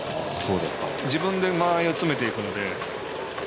自分で間合いを詰めていくので。